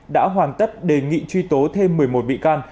đã hoàn tất đề nghị truy tố thêm một mươi một bị can